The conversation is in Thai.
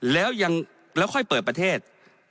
แล้วค่อยเปิดประเทศ